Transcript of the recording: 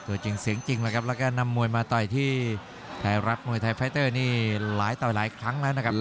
ตัวจริงเสียงจริงแล้วครับแล้วก็นำมวยมาต่อยที่ไทยรัฐมวยไทยไฟเตอร์นี่หลายต่อหลายครั้งแล้วนะครับ